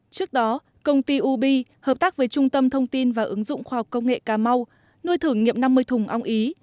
trước đó công ty ub hợp tác với trung tâm thông tin và ứng dụng khoa học công nghệ cà mau nuôi thử nghiệm năm mươi thùng ong ý